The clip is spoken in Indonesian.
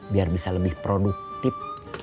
biar bisa lebih produktif